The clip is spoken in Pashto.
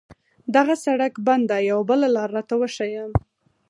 دغه سړک بند ده، یوه بله لار راته وښایه.